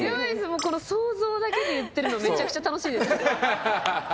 想像だけで言ってるのめちゃくちゃ楽しいですけど。